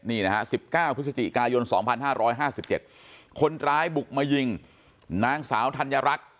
นี่นะฮะ๑๙พฤศจิกายน๒๕๕๗คนร้ายบุกมายิงนางสาวธัญรักษ์